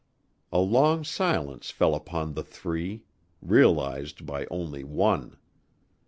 A long silence fell upon the three realized by only one.